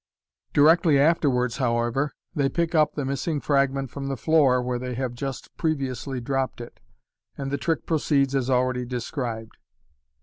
Directly after wards, however, they pick up the missing frag ment from the floor, where they have just previously dropped it, and the trick proceeds as already described.